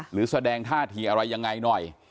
หรือแสดงท่าทีอะไรยังไงหน่อย